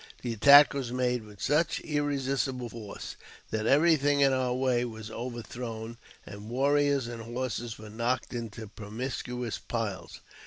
The attack was made with such irresistible force that everything in our way was over thrown, and warriors and horses were knocked into promiscuous piles.